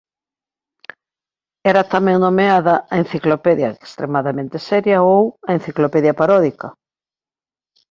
Era tamén nomeada "a enciclopedia extremadamente seria" ou a "enciclopedia paródica".